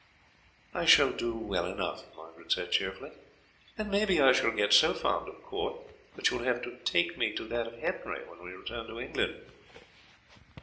"I shall do well enough," Margaret said cheerfully, "and maybe I shall get so fond of court that you will have to take me to that of Henry when we return to England."